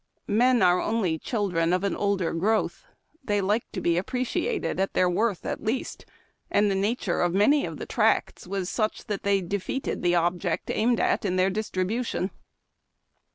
Men are only children of an older growth ; they like to be appreciated at their worth at least, and the nature of many of the tracts was such that they defeated the object aimed at in their distribution.